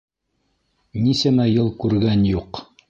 Нисәмә йыл күргән юҡ!